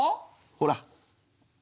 ほら。